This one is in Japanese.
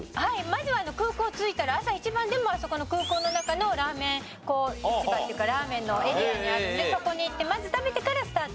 まず空港着いたら朝一番でもあそこの空港の中のラーメン市場っていうかラーメンのエリアがあるのでそこに行ってまず食べてからスタートですね。